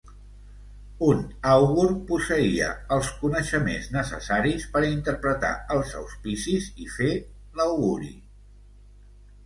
Un àugur posseïa els coneixements necessaris per a interpretar els auspicis i fer l'auguri.